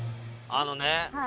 あのね